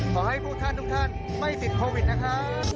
ขอให้ทุกท่านไม่ติดโควิดนะคะ